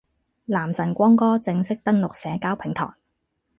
男神光哥正式登陸社交平台